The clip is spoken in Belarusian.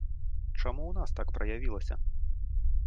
Чаму у нас так праявілася?